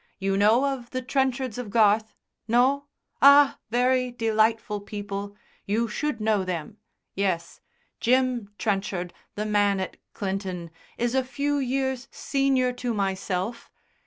You know of the Trenchards of Garth? No? Ah, very delightful people. You should know them. Yes, Jim Trenchard, the man at Clinton, is a few years senior to myself.